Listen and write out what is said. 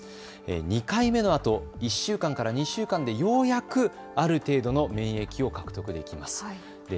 ２回目のあと、１週間から２週間でようやくある程度の免疫を獲得できます。